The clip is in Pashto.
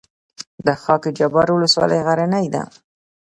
د خاک جبار ولسوالۍ غرنۍ ده